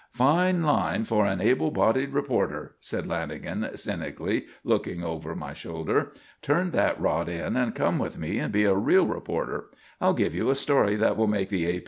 "Fine line for an able bodied reporter," said Lanagan cynically, looking over my shoulder. "Turn that rot in and come with me and be a real reporter. I'll give you a story that will make the A.